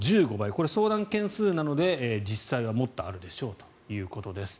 これは相談件数なので実際はもっとあるでしょうということです。